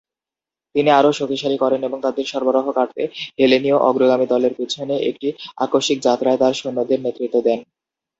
তিনি আরও শক্তিবৃদ্ধি করেন এবং তাদের সরবরাহ কাটতে হেলেনীয় অগ্রগামী দলের পিছনে একটি আকস্মিক যাত্রায় তাঁর সৈন্যদের নেতৃত্ব দেন।